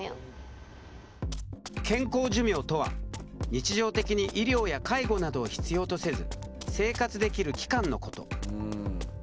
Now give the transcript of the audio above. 健康寿命とは日常的に医療や介護などを必要とせず生活できる期間のこと。